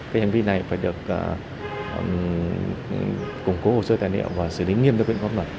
cái hành vi này phải được củng cố hồ sơ tài liệu và xử lý nghiêm đối với công luật